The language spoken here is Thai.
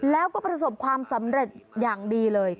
แล้วก็ประสบความสำเร็จอย่างดีเลย